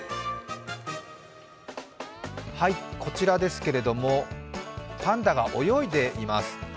こちらですけれども、パンダが泳いでいます。